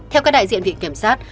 theo các đại diện viện kiểm soát